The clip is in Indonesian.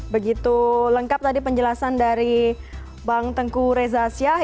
begitu lengkap tadi penjelasan dari bang tengku reza syah